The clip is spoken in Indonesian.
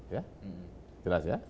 ya jelas ya